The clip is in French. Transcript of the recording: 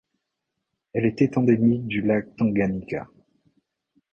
Elle était endémique du lac Tanganyika.